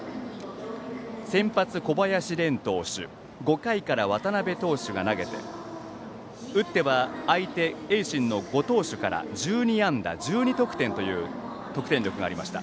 先発、小林廉投手５回から渡辺投手が投げて打っては相手・盈進の５投手から１２安打１２得点という得点力がありました。